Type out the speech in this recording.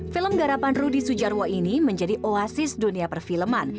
film garapan rudy sujarwo ini menjadi oasis dunia perfilman